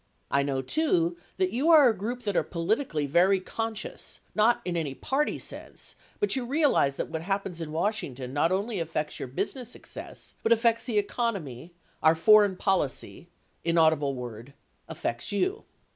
I know, too, that you are a group that are politi cally very conscious, not in any party sense but you realize that what happens in Washington not only affects your busi ness success but affects the economy, our foreign policy [in audible word] affects you.